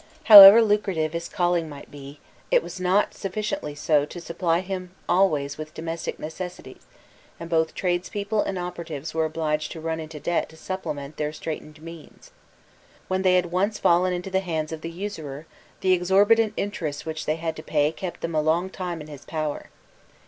However lucrative his calling might be, it was not sufficiently so to supply him always with domestic necessities, and both tradespeople and operatives were obliged to run into debt to supplement their straitened means. When they had once fallen into the hands of the usurer, the exorbitant interest which they had to pay kept them a long time in his power.